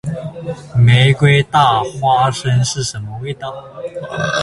玫瑰大花生是什么味道？